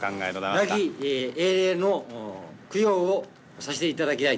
亡き英霊の供養をさせていただきたい